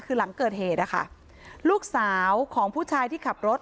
คือหลังเกิดเหตุนะคะลูกสาวของผู้ชายที่ขับรถ